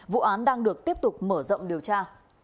vụ án đang được tiếp tục mở rộng điều tra